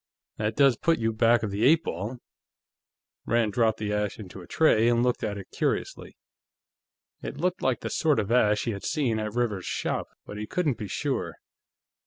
"That does put you back of the eight ball." Rand dropped the ash into a tray and looked at it curiously. It looked like the sort of ash he had seen at Rivers's shop, but he couldn't be sure.